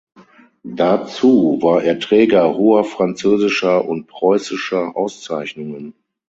Dazu war er Träger hoher französischer und preußischer Auszeichnungen.